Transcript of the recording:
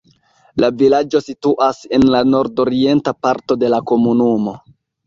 La vilaĝo situas en la nordorienta parto de la komunumo.